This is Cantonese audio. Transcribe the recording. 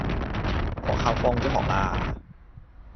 學校放咗學喇